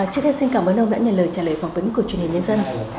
trước hết xin cảm ơn ông đã nhận lời trả lời phỏng vấn của truyền hình nhân dân